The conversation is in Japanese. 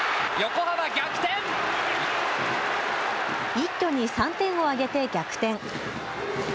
一挙に３点を挙げて逆転。